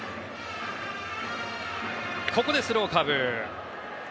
ここでスローカーブ。